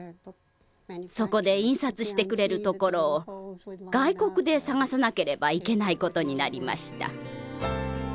そこで印刷してくれるところを外国で探さなければいけないことになりました。